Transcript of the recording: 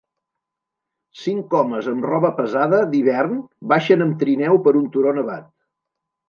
Cinc homes amb roba pesada d'hivern baixen amb trineu per un turó nevat